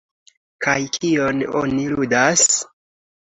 Kaj kion oni ludas?